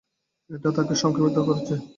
এটা তাকে সংক্রমিত করছে।